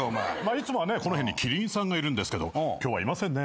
いつもはねこの辺にキリンさんがいるんですけど今日はいませんね。